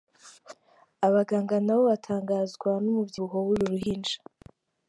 Abaganga nabo batangazwa n’umubyibuho w’uru ruhinja.